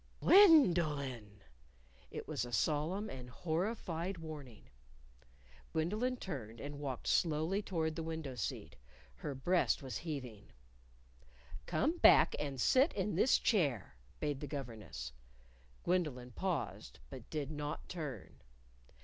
"Gwen do lyn'!" It was a solemn and horrified warning. Gwendolyn turned and walked slowly toward the window seat. Her breast was heaving. "Come back and sit in this chair," bade the governess. Gwendolyn paused, but did not turn.